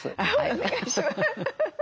お願いします。